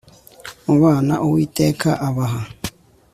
Mu bana Uwiteka abaha